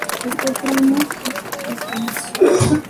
Este tramo acaba en Passau.